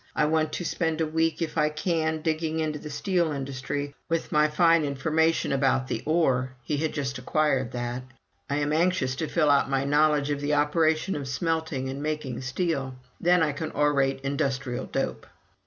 I want to spend a week, if I can, digging into the steel industry. With my fine information about the ore [he had just acquired that], I am anxious to fill out my knowledge of the operation of smelting and making steel. Then I can orate industrial dope."